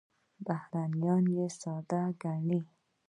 بهیرونه ساده ګڼي.